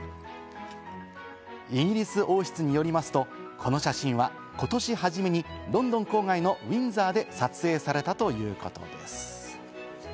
イギリス王室によりますと、この写真はことし初めにロンドン郊外のウィンザーで撮影されたということです。